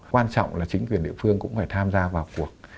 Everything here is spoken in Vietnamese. quan trọng là chính quyền địa phương cũng phải tham gia vào cuộc